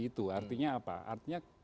itu artinya apa artinya